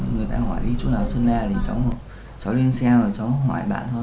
người ta hỏi đi chỗ nào sơn la thì cháu hỏi cháu đi đâu người ta hỏi đi chỗ nào sơn la thì cháu đi đâu